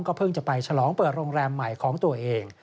เพิ่งจะไปฉลองเปิดโรงแรมใหม่ของตัวเอง